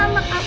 ini ada kamu